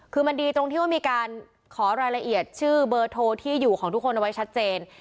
คือมันดีตรงที่ว่ามีการขอรายละเอียดชื่อเบอร์โทรที่อยู่ของทุกคนเอาไว้ชัดเจน